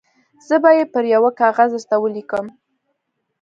زه به یې پر یوه کاغذ درته ولیکم.